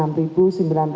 kami menerima data